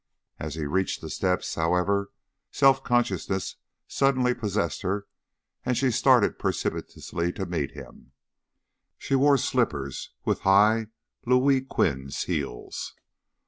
As he reached the steps, however, self consciousness suddenly possessed her and she started precipitately to meet him. She wore slippers with high Louis Quinze heels.